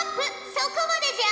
そこまでじゃ！